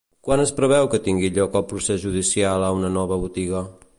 Quan es preveu que tingui lloc el procés judicial a una nova botiga?